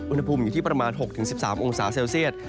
อุณหภูมิอยู่ที่ประมาณ๖๑๓องศาเซลเซียต